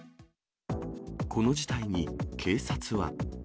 この事態に警察は。